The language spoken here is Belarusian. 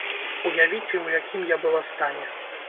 Уявіце, у якім я была стане!